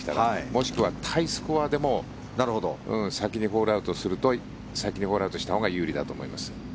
もしくはタイスコアでも先にホールアウトすると先にホールアウトしたほうが有利だと思います。